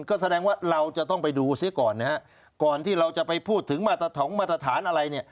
ก็แสดงว่าเราจะต้องไปดูเสียก่อนนะฮะก่อนที่เราจะไปพูดถึงมาตรถงมาตรฐานอะไรเนี่ย